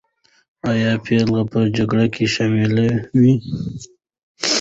آیا پېغلې په جګړه کې شاملي وې؟